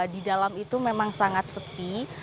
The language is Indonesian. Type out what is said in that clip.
karena di dalam itu memang sangat sepi